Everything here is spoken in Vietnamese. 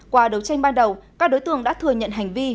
qua đấu tranh ban đầu các đối tượng đã thừa nhận hành vi